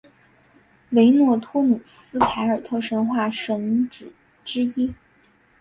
维诺托努斯凯尔特神话神只之一。